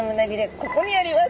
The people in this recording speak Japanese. ここにあります。